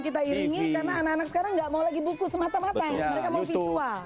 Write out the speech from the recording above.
kita iringi karena anak anak sekarang nggak mau lagi buku semata mata mereka mau visual